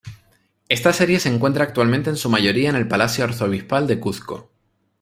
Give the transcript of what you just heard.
Esta serie se encuentra actualmente en su mayoría en el Palacio Arzobispal de Cuzco.